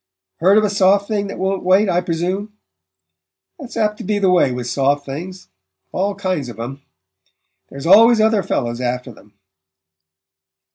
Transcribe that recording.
Heard of a soft thing that won't wait, I presume? That's apt to be the way with soft things all kinds of 'em. There's always other fellows after them."